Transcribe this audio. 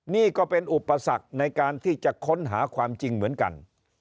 นี่ก็เป็นอุปสรรคในการที่จะค้นหาความจริงเหมือนกัน